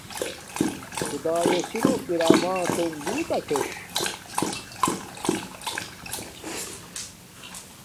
خدݳئݺ سِرݸ کرݳمݳتݸݣ بݸُت ݳکھݵݽ.